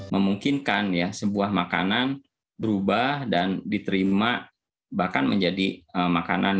memungkinkan ya sebuah makanan berubah dan diterima bahkan menjadi makanan